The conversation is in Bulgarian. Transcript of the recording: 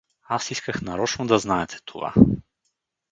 Аз исках нарочно да знаете това.